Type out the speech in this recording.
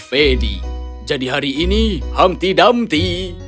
hehehe kemarin ifidi afedi jadi hari ini hamti damti